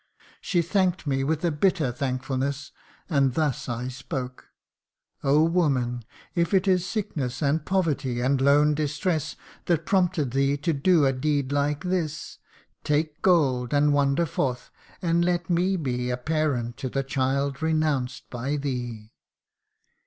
She thank'd me with a bitter thankfulness, And thus I spoke :' Oh ! woman, if it is Sickness and poverty, and lone distress, That prompted thee to do a deed like this, Take gold, and wander forth, and let me be A parent to the child renounced by thee